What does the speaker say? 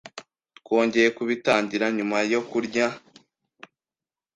Twongeye kubitangira nyuma yo kurya.